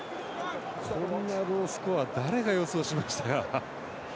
こんなロースコア誰が予想しましたか。